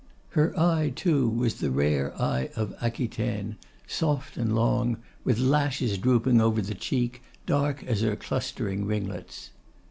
Her eye, too, was the rare eye of Aquitaine; soft and long, with lashes drooping over the cheek, dark as her clustering ringlets.